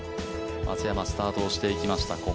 松山、スタートしていきました